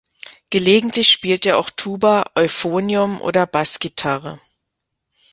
Gelegentlich spielt er auch Tuba, Euphonium oder Bassgitarre.